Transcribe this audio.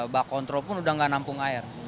bak kontrol pun udah nggak nampung air